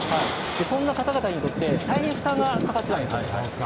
そんな方々にとって大変負担がかかってたんですよ。